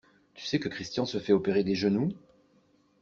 Tu sais que Christian se fait opérer des genoux?